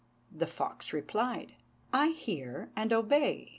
The fox replied, "I hear and obey.